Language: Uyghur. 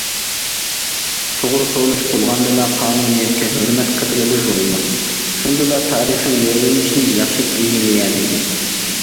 توغرا تونۇش بولغاندىلا، قانۇنىيەتكە ھۆرمەت قىلغىلى بولىدۇ، شۇندىلا تارىخىي يۆنىلىشنى ياخشى ئىگىلىيەلەيمىز.